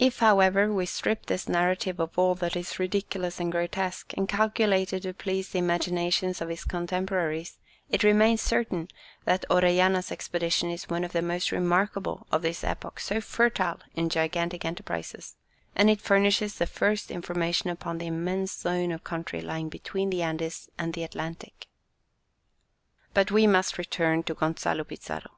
If, however, we strip this narrative of all that is ridiculous and grotesque, and calculated to please the imaginations of his contemporaries, it remains certain that Orellana's expedition is one of the most remarkable of this epoch, so fertile in gigantic enterprises; and it furnishes the first information upon the immense zone of country lying between the Andes and the Atlantic. But we must return to Gonzalo Pizarro.